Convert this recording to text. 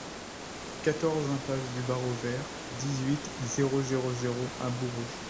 quatorze impasse du Barreau Vert, dix-huit, zéro zéro zéro à Bourges